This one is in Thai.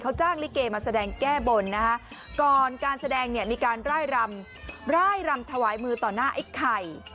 เค้าจ้างริเกมาแสดงแก้บลก่อนการแสดงมีการไร่รำถวายมือต่อหน้าไอ้ไข่